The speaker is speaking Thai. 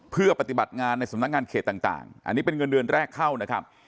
เพื่อปฏิบัติงานในสำนักงานเขตต่างอันนี้เป็นเงินเดือนแรกเข้านะครับ